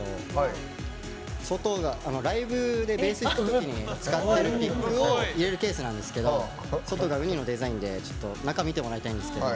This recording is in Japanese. ライブでベース弾くとき使ってるピックを入れるケースなんですけど外がウニのデザインで中を見てもらいたいんですけど。